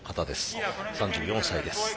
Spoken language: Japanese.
３４歳です。